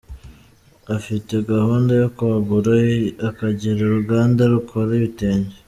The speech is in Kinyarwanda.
Afite gahunda yo kwagura, akagira uruganda rukora ibitenge.